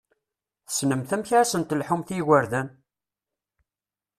Tessnemt amek ad sen-telḥumt i yigurdan!